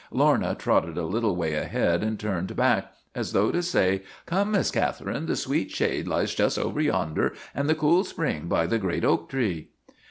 Lorna trotted a little way ahead and turned back, as though to say, " Come, Miss Catherine, the sweet shade lies just over yonder, and the cool spring by the great oak tree."